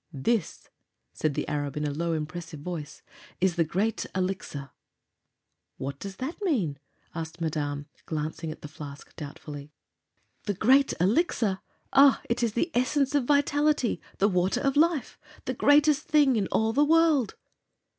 "This," said the Arab, in a low, impressive voice, "is the Great Elixir!" "What does that mean?" asked Madame, glancing at the flask doubtfully. "The Great Elixir? Ah, it is the Essence of Vitality, the Water of Life the Greatest Thing in all the World!"